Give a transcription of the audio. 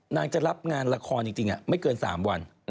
นางจะรับงานละครจริงไม่เกิน๓วัน